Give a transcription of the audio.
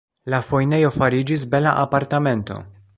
La fojnejo fariĝis bela apartamento.